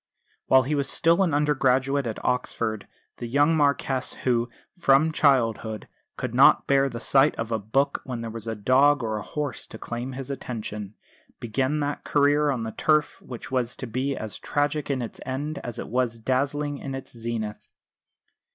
While he was still an undergraduate at Oxford the young Marquess who, from childhood, could not bear the sight of a book when there was a dog or a horse to claim his attention, began that career on the turf which was to be as tragic in its end as it was dazzling in its zenith.